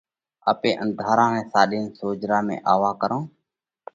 آپي انڌارا نئہ ساڏينَ سوجھرا ۾ آوَو ڪرونه۔